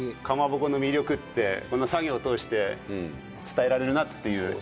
かまぼこの魅力ってこの作業を通して伝えられるなっていう。